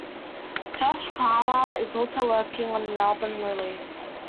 Josh Palmer is also working on an album release.